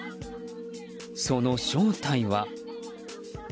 その正体は。